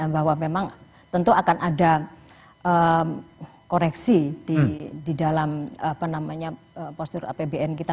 bahwa memang tentu akan ada koreksi di dalam postur apbn kita